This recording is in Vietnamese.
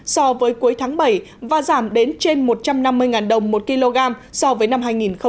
so với cuối tháng bảy và giảm đến trên một trăm năm mươi đồng một kg so với năm hai nghìn một mươi tám